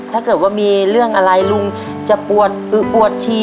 ถ้าเกิดว่ามีเรื่องอะไรลุงจะปวดอึกปวดชี